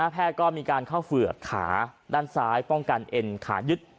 ก็มีการเข้าเฝือกขาด้านซ้ายป้องกันเอ็นขายึด